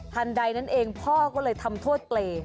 ทันใดนั้นเองพ่อก็เลยทำโทษเตร